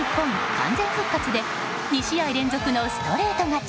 完全復活で２試合連続のストレート勝ち。